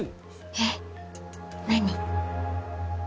えっ何？